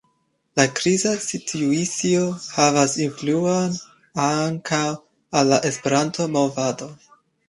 La kriza situacio havas influon ankaŭ al la Esperanto-movado.